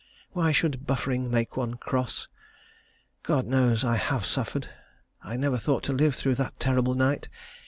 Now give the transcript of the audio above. Why should suffering make one cross? God knows, I have suffered. I never thought to live through that terrible night.